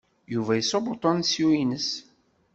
Yuba iṣubb uṭansyu-ines.